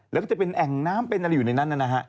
แล้วก็จะเป็นแอ่งน้ำเป็นอะไรอยู่ในนั้นนะฮะ